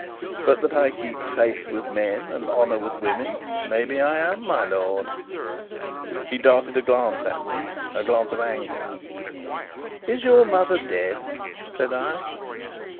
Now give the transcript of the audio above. But that I keep faith with men, and honour with women, maybe I am, my lord." He darted a glance at me a glance of anger. "Is your mother dead?" said I.